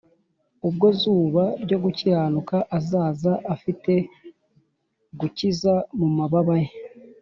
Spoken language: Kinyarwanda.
. Ubwo Zuba ryo gukiranuka azaza afite gukiza mu mababa ye